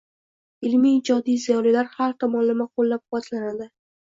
ilmiy-ijodiy ziyolilar har tomonlama qo‘llab-quvvatlanadi.